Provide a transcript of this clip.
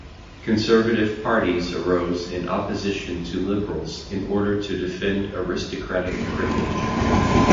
Conservative parties arose in opposition to liberals in order to defend aristocratic privilege.